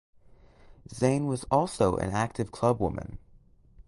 Zane was also an active clubwoman.